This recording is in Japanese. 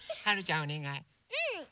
はるちゃん